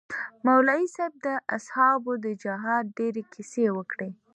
مولوي صاحب د اصحابو د جهاد ډېرې کيسې وکړې.